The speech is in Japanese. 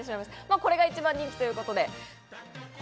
これが一番人気ということで。